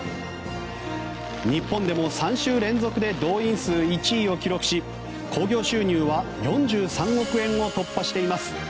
日本でも３週連続で動員数１位を記録し興行収入は４３億円を突破しています。